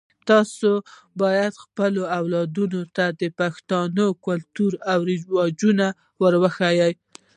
تاسو باید خپلو اولادونو ته د پښتنو کلتور او رواجونه ور وښایئ